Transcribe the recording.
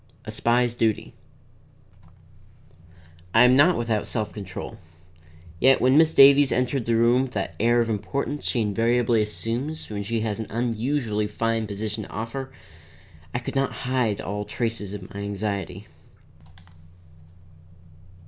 A SPY'S DUTY I am not without self control, yet when Miss Davies entered the room with that air of importance she invariably assumes when she has an unusually fine position to offer, I could not hide all traces of my anxiety.